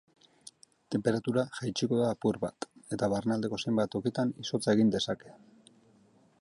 Tenperatura jaitsiko da apur bat eta barnealdeko zenbait tokitan izotza egin dezake.